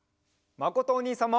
まことおにいさんも。